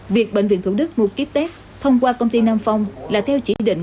việc bệnh viện thủ đức mua ký test thông qua công ty nam phong là theo chỉ định